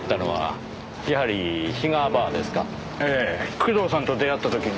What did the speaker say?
工藤さんと出会った時に。